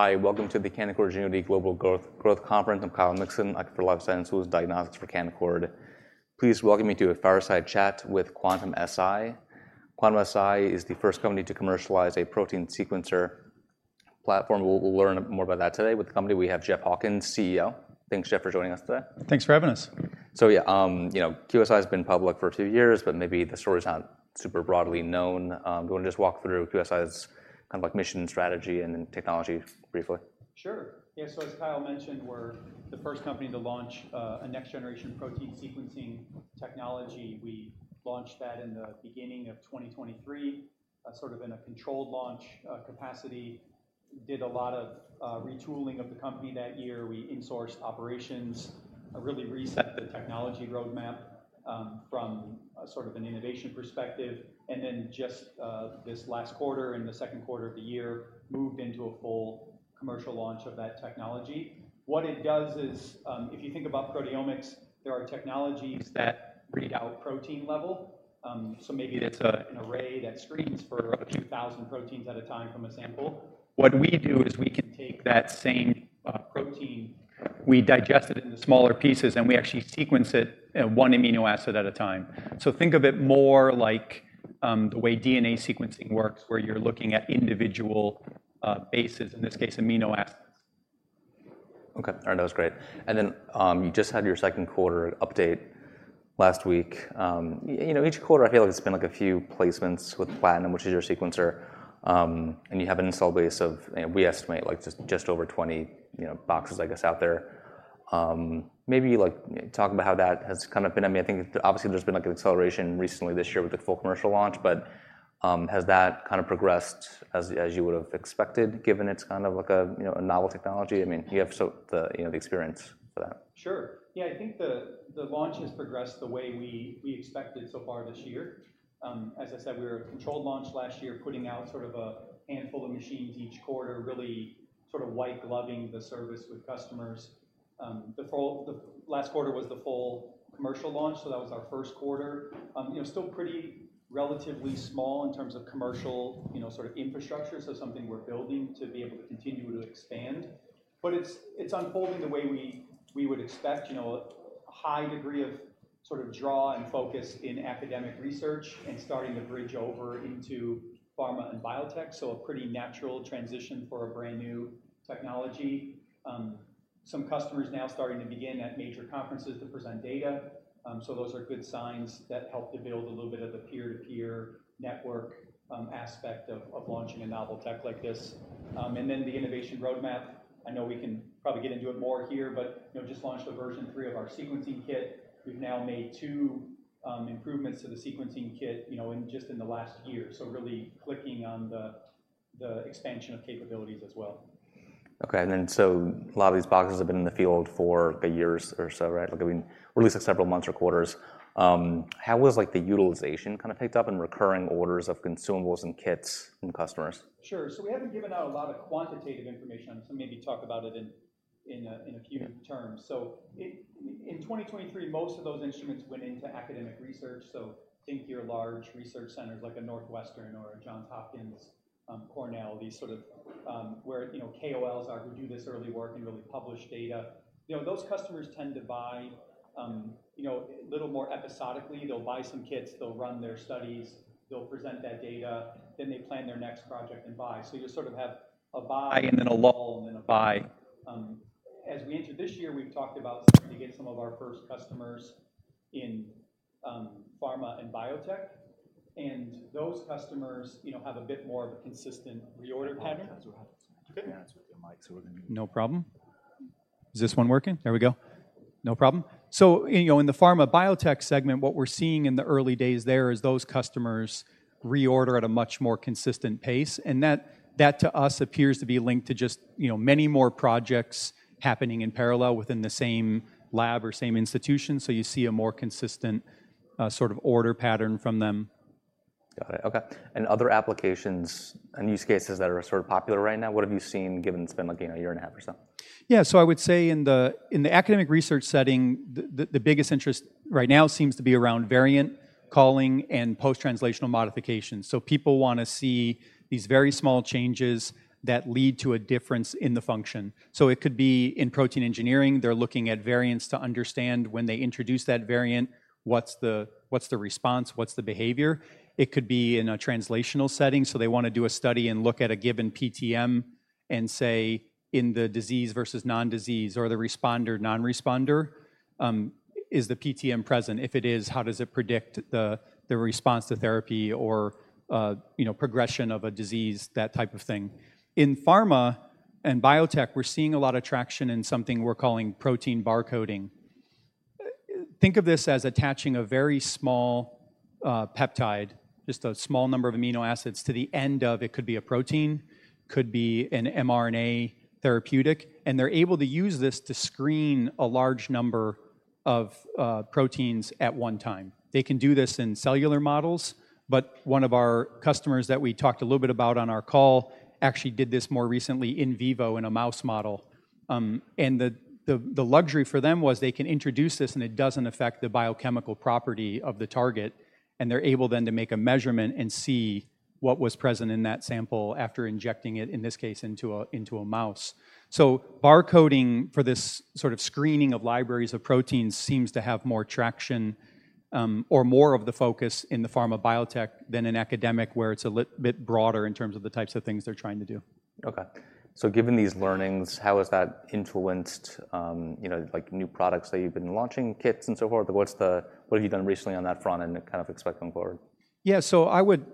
...Hi, welcome to the Canaccord Genuity Global Growth Conference. `I'm Kyle Mikson, I cover life science tools and diagnostics for Canaccord. Please welcome me to a fireside chat with Quantum-Si. Quantum-Si is the first company to commercialize a protein sequencer platform. We'll, we'll learn more about that today. With the company, we have Jeff Hawkins, CEO. Thanks, Jeff Hawkins, for joining us today. Thanks for having us. So yeah, you know, QSI has been public for two years, but maybe the story's not super broadly known. Do you want to just walk through QSI's kind of like mission, strategy, and then technology briefly? Sure. Yeah, so as Kyle Mikson mentioned, we're the first company to launch a next-generation protein sequencing technology. We launched that in the beginning of 2023, sort of in a controlled launch capacity. Did a lot of retooling of the company that year. We insourced operations, really reset the technology roadmap, from a sort of an innovation perspective, and then just this last quarter, in the Q2 of the year, moved into a full commercial launch of that technology. What it does is, if you think about proteomics, there are technologies that read out protein level. So maybe that's a an array that screens for 2,000 proteins at a time from a sample. What we do is we can take that same protein, we digest it into smaller pieces, and we actually sequence it one amino acid at a time. So think of it more like the way DNA sequencing works, where you're looking at individual bases, in this case, amino acids. Okay, all right, that was great. And then, you just had your Q2 update last week. You know, each quarter I feel like it's been, like, a few placements with Platinum, which is your sequencer. And you have an install base of, we estimate, like, just, just over 20, you know, boxes, I guess, out there. Maybe, like, talk about how that has kind of been. I mean, I think obviously there's been, like, an acceleration recently this year with the full commercial launch, but, has that kind of progressed as you would've expected, given it's kind of like a, you know, a novel technology? I mean, you have the, you know, the experience for that. Sure. Yeah, I think the launch has progressed the way we expected so far this year. As I said, we were a controlled launch last year, putting out sort of a handful of machines each quarter, really sort of white-gloving the service with customers. The last quarter was the full commercial launch, so that was our Q1. You know, still pretty relatively small in terms of commercial, you know, sort of infrastructure, so something we're building to be able to continue to expand. But it's unfolding the way we would expect, you know, a high degree of sort of draw and focus in academic research and starting to bridge over into pharma and biotech, so a pretty natural transition for a brand-new technology. Some customers now starting to begin at major conferences to present data. So those are good signs that help to build a little bit of the peer-to-peer network, aspect of launching a novel tech like this. And then the innovation roadmap, I know we can probably get into it more here, but, you know, just launched a version 3 of our sequencing kit. We've now made two, improvements to the sequencing kit, you know, in just the last year, so really clicking on the expansion of capabilities as well. Okay, and then, so a lot of these boxes have been in the field for a year or so, right? Like, I mean, or at least several months or quarters. How has, like, the utilization kind of picked up and recurring orders of consumables and kits from customers? Sure. So we haven't given out a lot of quantitative information, so maybe talk about it in a few terms. So it in 2023, most of those instruments went into academic research, so think your large research centers like a Northwestern or a Johns Hopkins, Cornell, these sort of where, you know, KOLs are, who do this early work and really publish data. You know, those customers tend to buy, you know, a little more episodically. They'll buy some kits, they'll run their studies, they'll present that data, then they plan their next project and buy. So you'll sort of have a buy and then a lull and then a buy. As we enter this year, we've talked about starting to get some of our first customers in, pharma and biotech, and those customers, you know, have a bit more of a consistent reorder pattern.... we're having some interference with your mic, so we're gonna- No problem. Is this one working? There we go. No problem. So, you know, in the pharma biotech segment, what we're seeing in the early days there is those customers reorder at a much more consistent pace, and that, that to us appears to be linked to just, you know, many more projects happening in parallel within the same lab or same institution, so you see a more consistent sort of order pattern from them. Got it. Okay, and other applications and use cases that are sort of popular right now, what have you seen, given it's been, like, a year and 1/2 or so? Yeah, so I would say in the academic research setting, the biggest interest right now seems to be around variant calling and post-translational modifications. So people want to see these very small changes that lead to a difference in the function. So it could be in protein engineering. They're looking at variants to understand when they introduce that variant, what's the response? What's the behavior? It could be in a translational setting, so they want to do a study and look at a given PTM and say, in the disease versus non-disease or the responder non-responder, is the PTM present? If it is, how does it predict the response to therapy or, you know, progression of a disease, that type of thing. In pharma and biotech, we're seeing a lot of traction in something we're calling protein barcoding. Think of this as attaching a very small peptide, just a small number of amino acids, to the end of it, could be a protein, could be an mRNA therapeutic, and they're able to use this to screen a large number of proteins at one time. They can do this in cellular models, but one of our customers that we talked a little bit about on our call actually did this more recently in vivo in a mouse model, and the luxury for them was they can introduce this, and it doesn't affect the biochemical property of the target, and they're able then to make a measurement and see what was present in that sample after injecting it, in this case, into a mouse. So barcoding for this sort of screening of libraries of proteins seems to have more traction, or more of the focus in the pharma biotech than in academic, where it's a little bit broader in terms of the types of things they're trying to do. Okay. So given these learnings, how has that influenced, you know, like new products that you've been launching, kits and so forth? What have you done recently on that front and kind of expect going forward? Yeah, so I would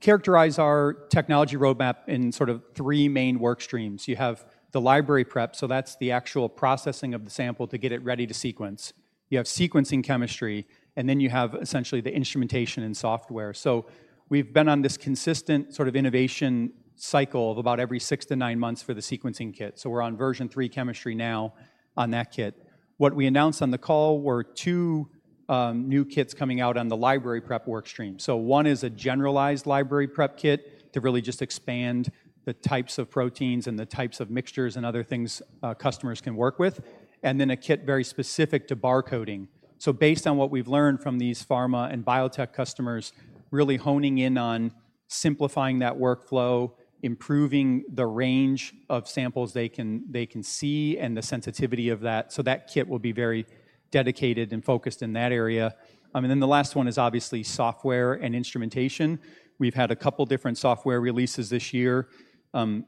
characterize our technology roadmap in sort of three main work streams. You have the library prep, so that's the actual processing of the sample to get it ready to sequence. You have sequencing chemistry, and then you have essentially the instrumentation and software. So we've been on this consistent sort of innovation cycle of about every 6-9 months for the sequencing kit, so we're on version 3 chemistry now on that kit. What we announced on the call were two new kits coming out on the library prep work stream. So one is a generalized library prep kit to really just expand the types of proteins and the types of mixtures and other things customers can work with, and then a kit very specific to barcoding. So based on what we've learned from these pharma and biotech customers, really honing in on simplifying that workflow, improving the range of samples they can see, and the sensitivity of that, so that kit will be very dedicated and focused in that area. And then the last one is obviously software and instrumentation. We've had a couple different software releases this year,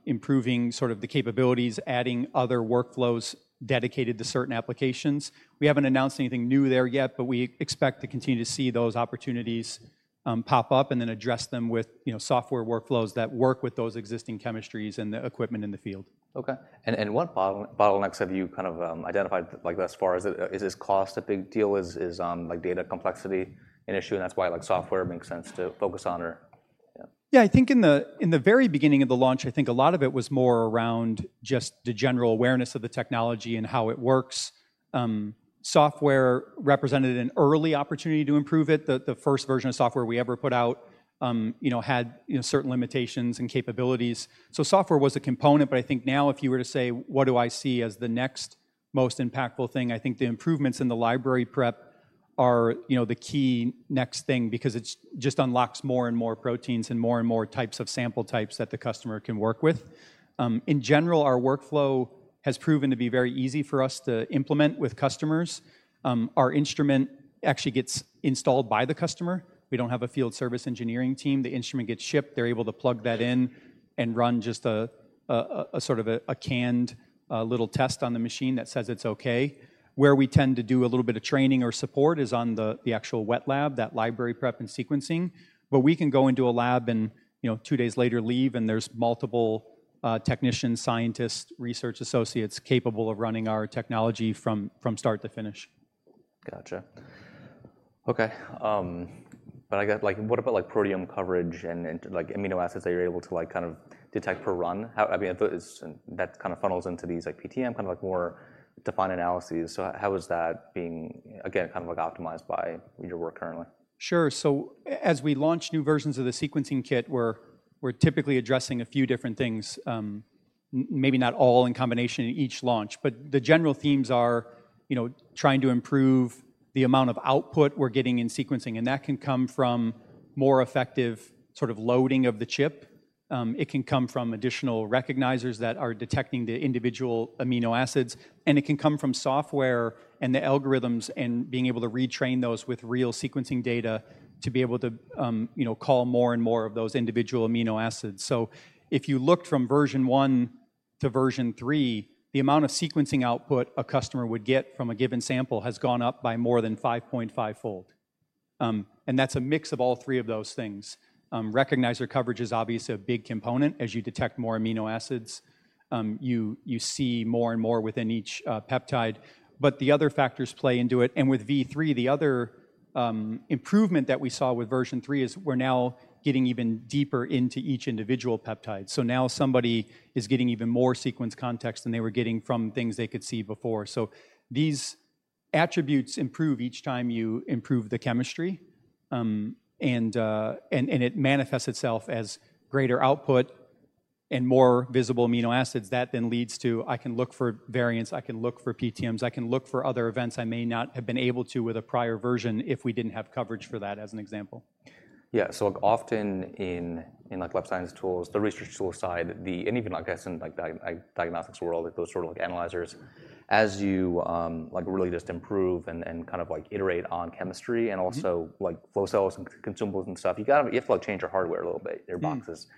improving sort of the capabilities, adding other workflows dedicated to certain applications. We haven't announced anything new there yet, but we expect to continue to see those opportunities pop up and then address them with, you know, software workflows that work with those existing chemistries and the equipment in the field. Okay. And what bottlenecks have you kind of identified, like, as far as, is this cost a big deal? Is like data complexity an issue, and that's why, like, software makes sense to focus on, or yeah? Yeah, I think in the very beginning of the launch, I think a lot of it was more around just the general awareness of the technology and how it works. Software represented an early opportunity to improve it. The first version of software we ever put out, you know, had, you know, certain limitations and capabilities. So software was a component, but I think now if you were to say, "What do I see as the next most impactful thing?" I think the improvements in the library prep are, you know, the key next thing because it's just unlocks more and more proteins and more and more types of sample types that the customer can work with. In general, our workflow has proven to be very easy for us to implement with customers. Our instrument actually gets installed by the customer. We don't have a field service engineering team. The instrument gets shipped, they're able to plug that in and run just a sort of a canned little test on the machine that says it's okay. Where we tend to do a little bit of training or support is on the actual wet lab, that library prep and sequencing. But we can go into a lab and, you know, two days later, leave, and there's multiple technicians, scientists, research associates capable of running our technology from start to finish. Gotcha. Okay, but I got—like, what about, like, proteome coverage and, and, like, amino acids that you're able to, like, kind of detect per run? How—I mean, I thought it's... That kind of funnels into these, like, PTM, kind of like more defined analyses. So how is that being, again, kind of, like, optimized by your work currently? Sure. So as we launch new versions of the sequencing kit, we're typically addressing a few different things, maybe not all in combination in each launch. But the general themes are, you know, trying to improve the amount of output we're getting in sequencing, and that can come from more effective sort of loading of the chip. It can come from additional recognizers that are detecting the individual amino acids, and it can come from software and the algorithms and being able to retrain those with real sequencing data to be able to, you know, call more and more of those individual amino acids. So if you looked from version 1 to version 3, the amount of sequencing output a customer would get from a given sample has gone up by more than 5.5-fold, and that's a mix of all three of those things. Recognizer coverage is obviously a big component. As you detect more amino acids, you see more and more within each peptide, but the other factors play into it. With V3, the other improvement that we saw with version 3 is we're now getting even deeper into each individual peptide. So now somebody is getting even more sequence context than they were getting from things they could see before. So these attributes improve each time you improve the chemistry, and it manifests itself as greater output and more visible amino acids. That then leads to, "I can look for variants. I can look for PTMs. I can look for other events I may not have been able to with a prior version, if we didn't have coverage for that," as an example. Yeah, so often in like life science tools, the research tool side, and even, I guess, in like diagnostics world, those sort of like analyzers, as you like really just improve and kind of like iterate on chemistry- Mm-hmm... and also, like, flow cells and consumables and stuff, you gotta, you have to, like, change your hardware a little bit, your boxes. Mm.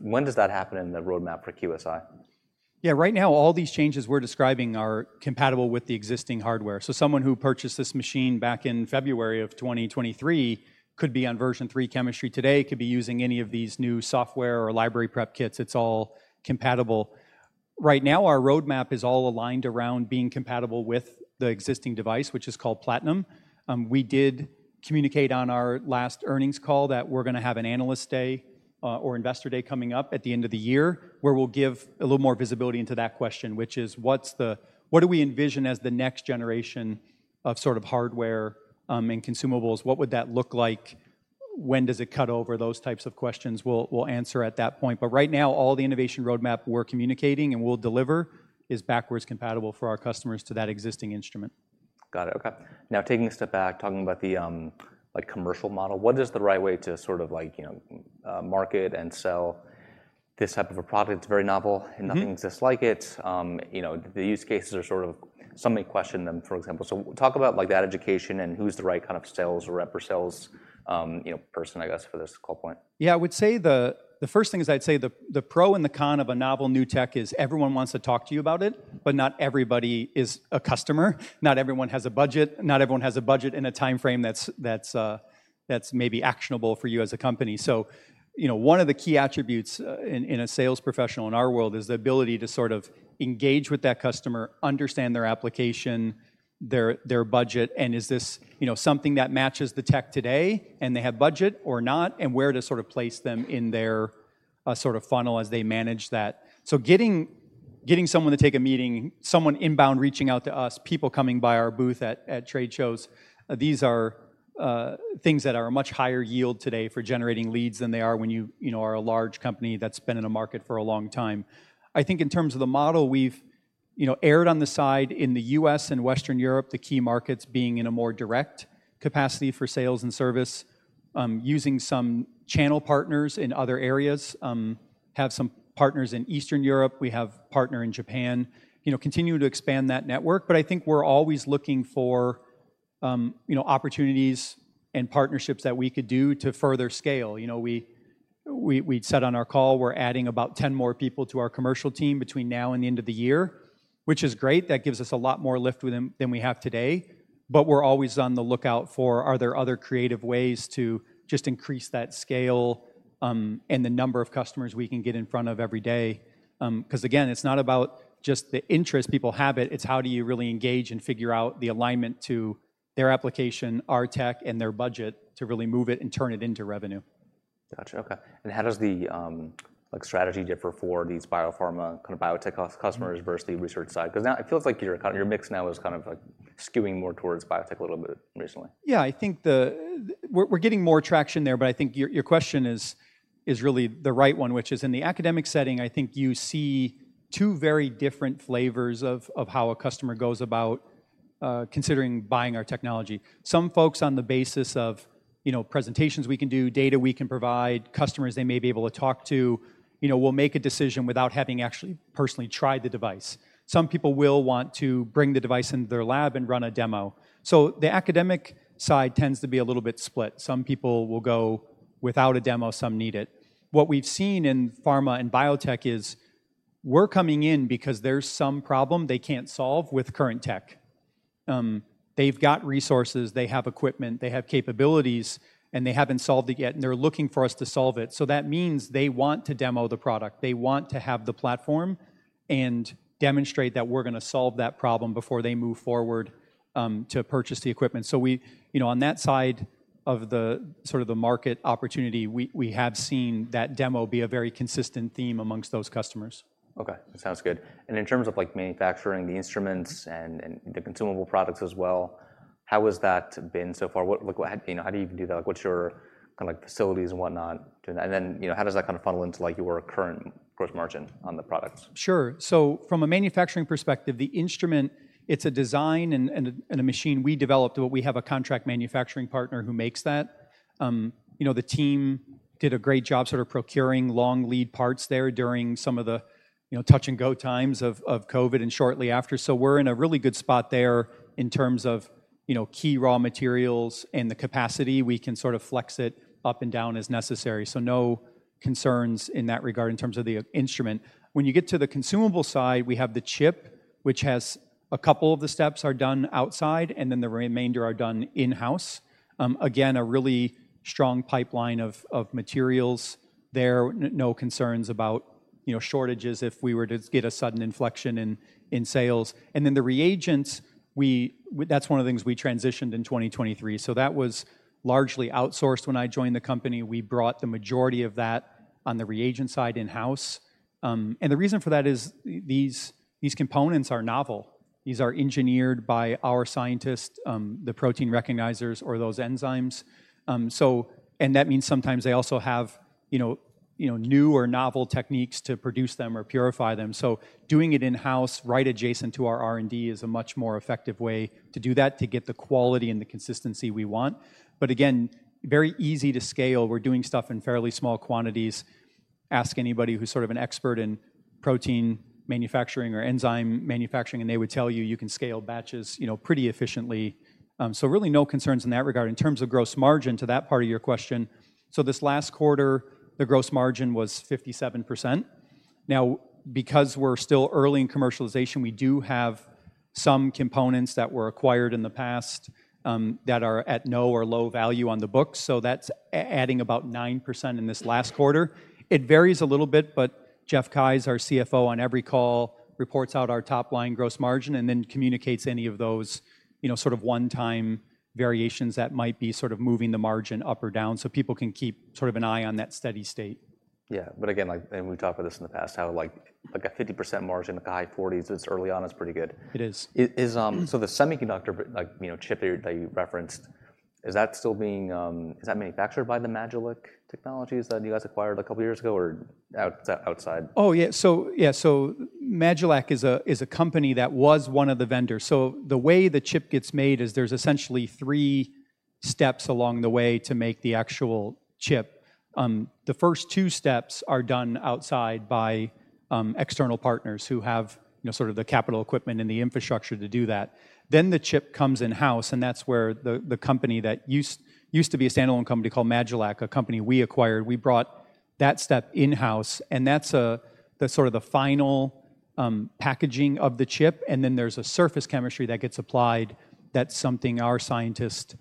When does that happen in the roadmap for QSI? Yeah, right now, all these changes we're describing are compatible with the existing hardware. So someone who purchased this machine back in February of 2023 could be on version three chemistry today, could be using any of these new software or library prep kits. It's all compatible. Right now, our roadmap is all aligned around being compatible with the existing device, which is called Platinum. We did communicate on our last earnings call that we're gonna have an analyst day or investor day coming up at the end of the year, where we'll give a little more visibility into that question, which is, what's the what do we envision as the next generation of sort of hardware and consumables? What would that look like? When does it cut over? Those types of questions we'll, we'll answer at that point. But right now, all the innovation roadmap we're communicating and we'll deliver is backwards compatible for our customers to that existing instrument. Got it, okay. Now, taking a step back, talking about the, like commercial model, what is the right way to sort of like, you know, market and sell this type of a product? It's very novel- Mm-hmm. Nothing exists like it. You know, the use cases are sort of, some may question them, for example. Talk about like that education, and who's the right kind of sales rep or sales, you know, person, I guess, for this call point? Yeah, I would say the first thing is I'd say the pro and the con of a novel new tech is everyone wants to talk to you about it, but not everybody is a customer. Not everyone has a budget, not everyone has a budget and a timeframe that's maybe actionable for you as a company. So, you know, one of the key attributes in a sales professional in our world is the ability to sort of engage with that customer, understand their application, their budget, and is this, you know, something that matches the tech today, and they have budget or not, and where to sort of place them in their sort of funnel as they manage that. So getting someone to take a meeting, someone inbound reaching out to us, people coming by our booth at trade shows, these are things that are a much higher yield today for generating leads than they are when you, you know, are a large company that's been in a market for a long time. I think in terms of the model, we've, you know, erred on the side in the U.S. and Western Europe, the key markets being in a more direct capacity for sales and service, using some channel partners in other areas. We have some partners in Eastern Europe, we have a partner in Japan, you know, continuing to expand that network. But I think we're always looking for, you know, opportunities and partnerships that we could do to further scale. You know, we'd said on our call, we're adding about 10 more people to our commercial team between now and the end of the year, which is great. That gives us a lot more lift with them than we have today, but we're always on the lookout for other creative ways to just increase that scale and the number of customers we can get in front of every day? 'Cause again, it's not about just the interest people have it, it's how do you really engage and figure out the alignment to their application, our tech, and their budget, to really move it and turn it into revenue. Gotcha, okay. How does the like strategy differ for these biopharma kind of biotech customers versus the research side? 'Cause now it feels like your kind of your mix now is kind of like skewing more towards biotech a little bit recently. Yeah, I think we're getting more traction there, but I think your question is really the right one, which is in the academic setting, I think you see two very different flavors of how a customer goes about considering buying our technology. Some folks, on the basis of, you know, presentations we can do, data we can provide, customers they may be able to talk to, you know, will make a decision without having actually personally tried the device. Some people will want to bring the device into their lab and run a demo. So the academic side tends to be a little bit split. Some people will go without a demo, some need it. What we've seen in pharma and biotech is, we're coming in because there's some problem they can't solve with current tech. They've got resources, they have equipment, they have capabilities, and they haven't solved it yet, and they're looking for us to solve it. So that means they want to demo the product. They want to have the platform and demonstrate that we're gonna solve that problem before they move forward to purchase the equipment. So we, you know, on that side of the sort of the market opportunity, we have seen that demo be a very consistent theme amongst those customers. Okay, that sounds good. And in terms of like manufacturing the instruments and the consumable products as well, how has that been so far? What, like, you know, how do you even do that? Like, what's your kind of like facilities and whatnot? And then, you know, how does that kind of funnel into, like, your current gross margin on the products? Sure. So from a manufacturing perspective, the instrument, it's a design and a machine we developed, but we have a contract manufacturing partner who makes that. You know, the team did a great job sort of procuring long lead parts there during some of the, you know, touch-and-go times of COVID and shortly after. So we're in a really good spot there in terms of, you know, key raw materials and the capacity. We can sort of flex it up and down as necessary, so no concerns in that regard in terms of the instrument. When you get to the consumable side, we have the chip, which has a couple of the steps are done outside, and then the remainder are done in-house. Again, a really strong pipeline of materials there. No concerns about, you know, shortages if we were to get a sudden inflection in sales. And then the reagents. That's one of the things we transitioned in 2023. So that was largely outsourced when I joined the company. We brought the majority of that on the reagent side in-house. And the reason for that is these components are novel. These are engineered by our scientists, the protein recognizers or those enzymes. And that means sometimes they also have, you know, new or novel techniques to produce them or purify them. So doing it in-house, right adjacent to our R&D, is a much more effective way to do that, to get the quality and the consistency we want. But again, very easy to scale. We're doing stuff in fairly small quantities. Ask anybody who's sort of an expert in protein manufacturing or enzyme manufacturing, and they would tell you, you can scale batches, you know, pretty efficiently. So really no concerns in that regard. In terms of gross margin, to that part of your question, so this last quarter, the gross margin was 57%. Now, because we're still early in commercialization, we do have some components that were acquired in the past, that are at no or low value on the books, so that's adding about 9% in this last quarter. It varies a little bit, but Jeff Keyes, our CFO, on every call, reports out our top-line gross margin and then communicates any of those, you know, sort of one-time variations that might be sort of moving the margin up or down, so people can keep sort of an eye on that steady state.... Yeah, but again, like, and we've talked about this in the past, how, like, a 50% margin, like a high 40% this early on is pretty good. It is. It is, so the semiconductor, but like, you know, chip that you referenced, is that still being manufactured by the Majelac Technologies that you guys acquired a couple of years ago, or is that outside? Oh, yeah. So, yeah, so Majelac is a company that was one of the vendors. So the way the chip gets made is there's essentially three steps along the way to make the actual chip. The first two steps are done outside by external partners who have, you know, sort of the capital equipment and the infrastructure to do that. Then the chip comes in-house, and that's where the company that used to be a standalone company called Majelac, a company we acquired, we brought that step in-house, and that's the sort of the final packaging of the chip. And then there's a surface chemistry that gets applied that's something our scientist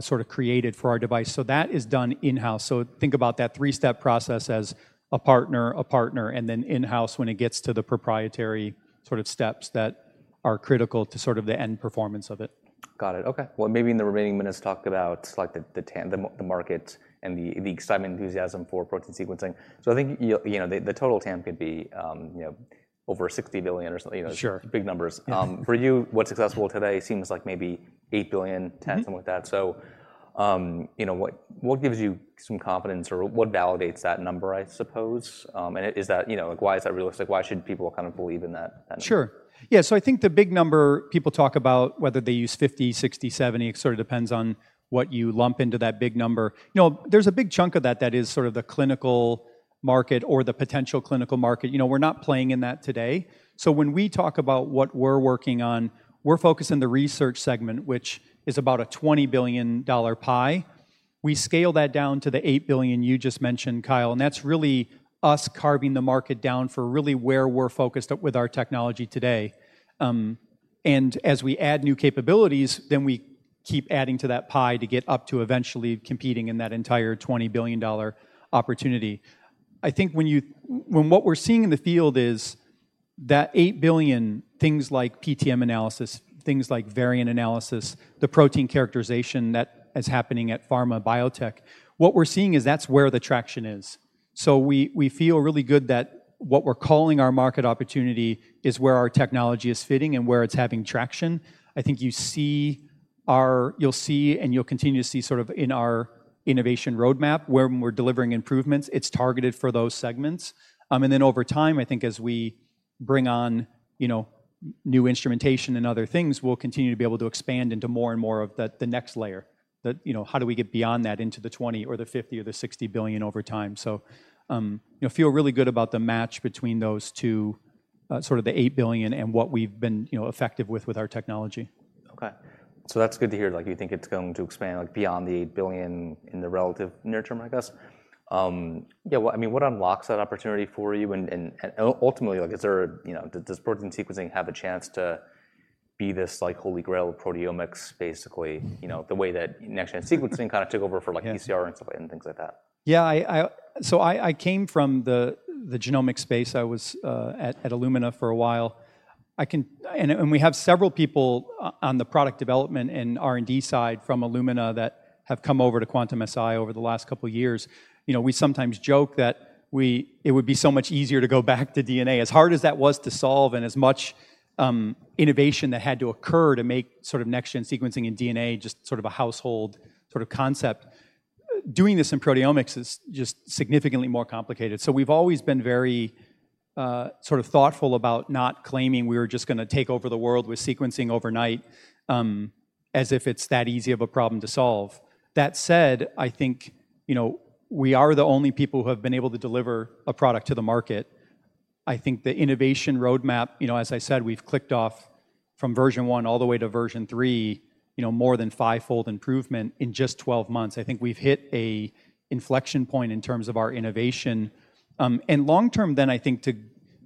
sort of created for our device. So that is done in-house. So think about that three-step process as a partner, a partner, and then in-house, when it gets to the proprietary sort of steps that are critical to sort of the end performance of it. Got it. Okay. Well, maybe in the remaining minutes, talk about like the TAM, the market and the excitement, enthusiasm for protein sequencing. So I think, you know, the total TAM could be, you know, over $60 billion or something, you know- Sure. Big numbers. For you, what's accessible today seems like maybe 8 billion, 10- Mm-hmm. -something like that. So, you know, what, what gives you some confidence or what validates that number, I suppose? And is that, you know, like, why is that realistic? Why should people kind of believe in that, that- Sure. Yeah, so I think the big number people talk about, whether they use $50 billion, $60 billion, $70 billion, it sort of depends on what you lump into that big number. You know, there's a big chunk of that that is sort of the clinical market or the potential clinical market. You know, we're not playing in that today. So when we talk about what we're working on, we're focused on the research segment, which is about a $20 billion pie. We scale that down to the $8 billion you just mentioned, Kyle Mikson, and that's really us carving the market down for really where we're focused at with our technology today. And as we add new capabilities, then we keep adding to that pie to get up to eventually competing in that entire $20 billion opportunity. I think when what we're seeing in the field is that $8 billion, things like PTM analysis, things like variant analysis, the protein characterization that is happening at Pharma Biotech, what we're seeing is that's where the traction is. So we, we feel really good that what we're calling our market opportunity is where our technology is fitting and where it's having traction. I think you'll see, and you'll continue to see sort of in our innovation roadmap, where when we're delivering improvements, it's targeted for those segments. And then over time, I think as we bring on, you know, new instrumentation and other things, we'll continue to be able to expand into more and more of the, the next layer. You know, how do we get beyond that into the $20 billion or the $50 billion or the $60 billion over time? You know, feel really good about the match between those two, sort of the $8 billion and what we've been, you know, effective with, with our technology. Okay. So that's good to hear. Like, you think it's going to expand, like, beyond the $8 billion in the relatively near term, I guess? Yeah, well, I mean, what unlocks that opportunity for you, and, and, and ultimately, like, is there, you know, does protein sequencing have a chance to be this, like, holy grail of proteomics, basically? You know, the way that next-gen sequencing kind of took over for, like- Yeah PCR and so, and things like that. Yeah, so I came from the genomic space. I was at Illumina for a while. And we have several people on the product development and R&D side from Illumina that have come over to Quantum-Si over the last couple of years. You know, we sometimes joke that it would be so much easier to go back to DNA as hard as that was to solve, and as much innovation that had to occur to make sort of next-gen sequencing in DNA just sort of a household sort of concept. Doing this in proteomics is just significantly more complicated. So we've always been very sort of thoughtful about not claiming we were just gonna take over the world with sequencing overnight, as if it's that easy of a problem to solve. That said, I think, you know, we are the only people who have been able to deliver a product to the market. I think the innovation roadmap, you know, as I said, we've clicked off from version 1 all the way to version 3, you know, more than fivefold improvement in just 12 months. I think we've hit an inflection point in terms of our innovation. And long-term then, I think to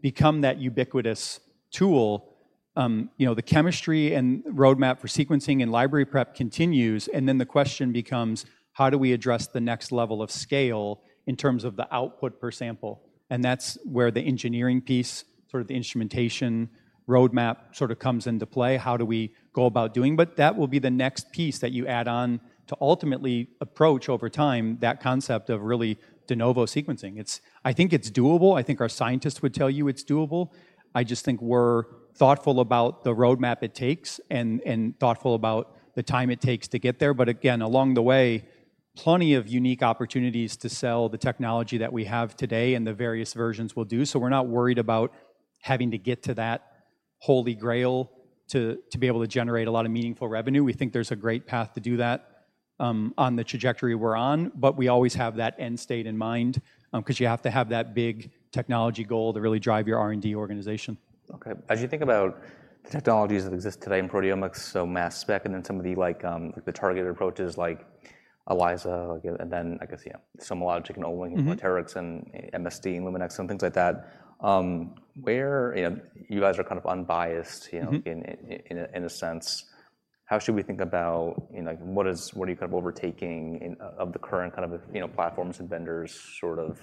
become that ubiquitous tool, you know, the chemistry and roadmap for sequencing and library prep continues, and then the question becomes: how do we address the next level of scale in terms of the output per sample? And that's where the engineering piece, sort of the instrumentation roadmap, sort of comes into play. How do we go about doing. But that will be the next piece that you add on to ultimately approach, over time, that concept of really de novo sequencing. It's. I think it's doable. I think our scientists would tell you it's doable. I just think we're thoughtful about the roadmap it takes and, and thoughtful about the time it takes to get there. But again, along the way, plenty of unique opportunities to sell the technology that we have today and the various versions we'll do. So we're not worried about having to get to that holy grail to, to be able to generate a lot of meaningful revenue. We think there's a great path to do that, on the trajectory we're on, but we always have that end state in mind, 'cause you have to have that big technology goal to really drive your R&D organization. Okay. As you think about the technologies that exist today in proteomics, so mass spec and then some of the like, the targeted approaches like ELISA, like, and then I guess, yeah, SomaLogic, Quanterix- Mm-hmm... Quanterix and MSD and Luminex and things like that. Where, you know, you guys are kind of unbiased, you know- Mm-hmm... in a sense, how should we think about, you know, like, what is—what are you kind of overtaking in of the current kind of, you know, platforms and vendors, sort of?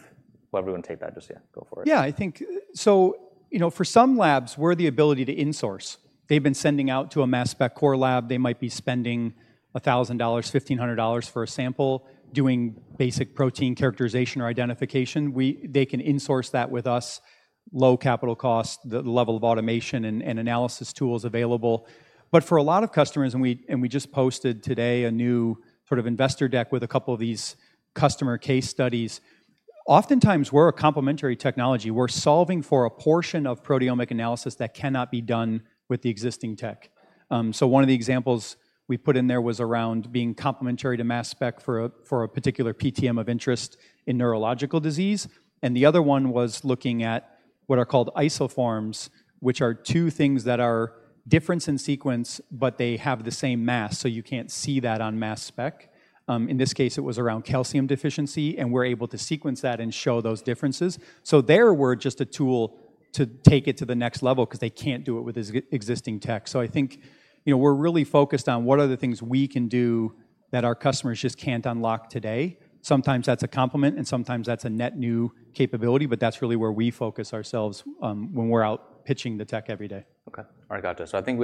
Well, everyone take that, just, yeah, go for it. Yeah, I think so, you know, for some labs, we're the ability to insource. They've been sending out to a mass spec core lab. They might be spending $1,000-$1,500 for a sample, doing basic protein characterization or identification. They can insource that with us, low capital cost, the level of automation and analysis tools available. But for a lot of customers, we just posted today a new sort of investor deck with a couple of these customer case studies. Oftentimes, we're a complementary technology. We're solving for a portion of proteomic analysis that cannot be done with the existing tech. So one of the examples we put in there was around being complementary to mass spec for a, for a particular PTM of interest in neurological disease, and the other one was looking at what are called isoforms, which are two things that are different in sequence, but they have the same mass, so you can't see that on mass spec. In this case, it was around calcium deficiency, and we're able to sequence that and show those differences. So there, we're just a tool to take it to the next level because they can't do it with existing tech. So I think, you know, we're really focused on what are the things we can do that our customers just can't unlock today. Sometimes that's a complement, and sometimes that's a net new capability, but that's really where we focus ourselves, when we're out pitching the tech every day. Okay. All right, gotcha. So I think with-